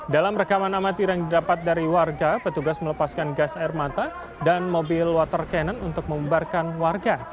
dalam rekaman amatir yang didapat dari warga petugas melepaskan gas air mata dan mobil water cannon untuk memubarkan warga